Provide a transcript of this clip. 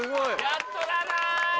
やっとだな！